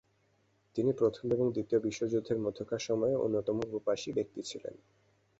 তিনি প্রথম ও দ্বিতীয় বিশ্বযুদ্ধের মধ্যকার সময়ে অন্যতম প্রবাসী ব্যক্তি ছিলেন।